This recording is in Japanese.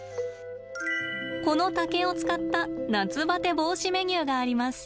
この竹を使った夏バテ防止メニューがあります。